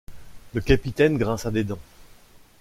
Le capitaine grinça des dents.